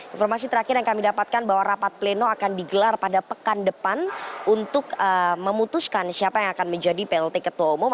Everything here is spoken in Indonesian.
informasi terakhir yang kami dapatkan bahwa rapat pleno akan digelar pada pekan depan untuk memutuskan siapa yang akan menjadi plt ketua umum